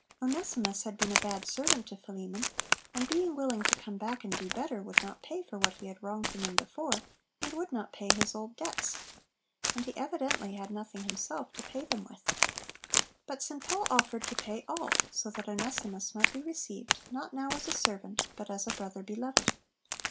Onesimus had been a bad servant to Philemon; and being willing to come back and do better, would not pay for what he had wronged him in before, and would not pay his old debts. And he evidently had nothing himself to pay them with. But St. Paul offered to pay all, so that Onesimus might be received, "not now as a servant," but as a "brother beloved."